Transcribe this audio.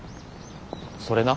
それな。